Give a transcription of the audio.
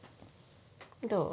どう？